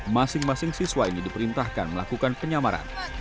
masing masing siswa ini diperintahkan melakukan penyamaran